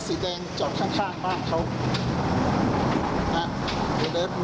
รถสีแดงจอกข้างข้างบ้างเขาเถอะ